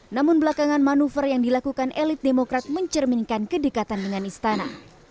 namun belakangan manuver yang dilakukan elit demokrat mencerminkan kedekatan dengan istana